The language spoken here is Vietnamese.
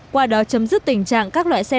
qua đó chấm dứt tình trạng các loại xe